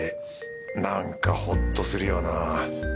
なんかほっとするよな。